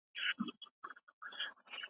هغه له ډاره اوږده لاره د اتڼ لپاره نه وهي.